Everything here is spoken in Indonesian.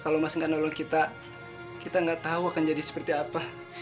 kalau mas nggak nolong kita kita nggak tahu akan jadi seperti apa